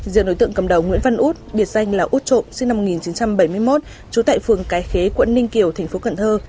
riêng đối tượng cầm đầu nguyễn văn út biệt danh là út trộm sinh năm một nghìn chín trăm bảy mươi một trú tại phường cái khế quận ninh kiều thành phố cần thơ